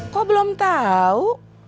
kok belum tahu